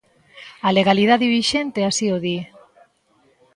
A legalidade vixente así o di.